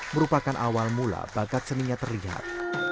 merupakan awal mula bakat seninya terlihat